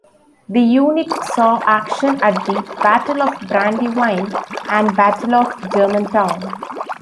The unit saw action at the Battle of Brandywine and Battle of Germantown.